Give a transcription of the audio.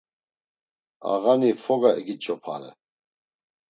Ağani foga egiç̌opare.